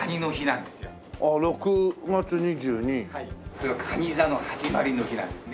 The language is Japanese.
それがかに座の始まりの日なんですね。